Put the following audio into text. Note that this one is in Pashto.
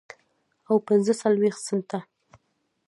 او پنځه څلوېښت سنټه